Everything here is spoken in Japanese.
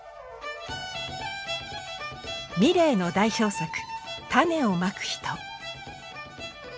ミレーの代表作「種をまく人」。